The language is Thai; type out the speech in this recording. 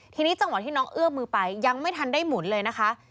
ทีนี้จังหวะที่น้องเอื้อมมือไปยังไม่ทันได้หมุนเลยนะคะ